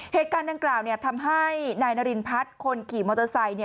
เหตุการณ์ดังกล่าวทำให้นายนารินพัฒน์คนขี่มอเตอร์ไซค์